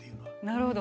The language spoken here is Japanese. なるほど。